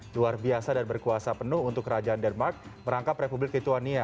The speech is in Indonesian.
luar biasa dan berkuasa penuh untuk kerajaan denmark merangkap republik tituania